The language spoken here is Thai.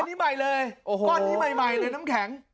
อันนี้ใหม่เลยก้อนนี้ใหม่เลยน้ำแข็ง